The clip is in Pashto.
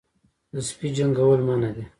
د سپي جنګول منع دي